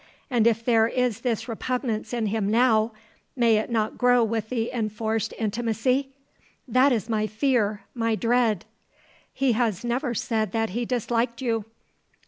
And if there is this repugnance in him now, may it not grow with the enforced intimacy? That is my fear, my dread." "He has never said that he disliked you."